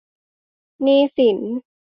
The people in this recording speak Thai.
หนี้สิน